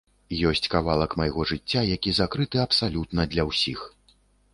Ёсць кавалак майго жыцця, які закрыты абсалютна для ўсіх.